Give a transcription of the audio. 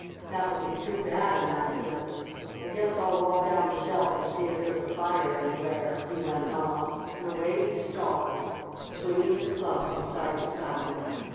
"That would be too bad an accident. I guess I'll walk down the shelf and see if there's a fire anywhere," he went on, and away he stalked, swinging his club from side to side.